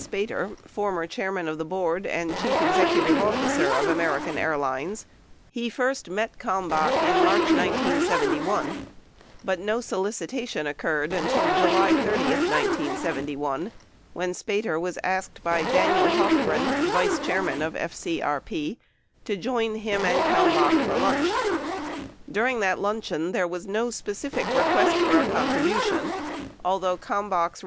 Spater, former chair man of the board and chief executive officer of American Airlines, he first met Kalmbach in March 1971. But no solicitation occurred until July 30, 1971, when Spater was asked bv Daniel Hofgren, vice chair man of FCRP, to join him and Kalmbach for lunch. During that luncheon, there was no specific request for a contribution, although 6 Common Cause v.